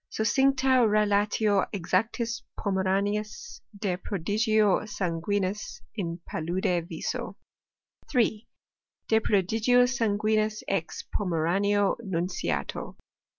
Succincta relatio exactis Pomeraniis de prodigio sanguinis in palude viso. d De prodigio sanguinis ex Pomeranio nunciato.